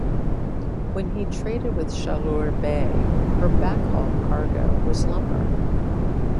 When he traded with Chaleur Bay her backhaul cargo was lumber.